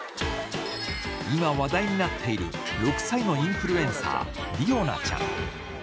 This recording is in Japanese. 今話題になっている６歳のインフルエンサー、理央奈ちゃん。